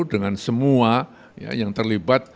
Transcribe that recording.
dengan semua yang terlibat